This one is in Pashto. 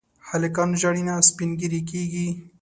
هلکان ژاړي نه، سپين ږيري کيږي.